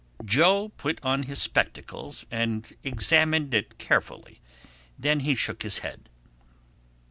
Joe put on his spectacles and examined it carefully. Then he shook his head.